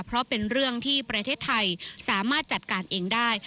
เพราะเป็นเรื่องที่ประเทศไทยสามารถจัดการเองได้